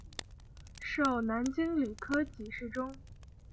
授南京礼科给事中。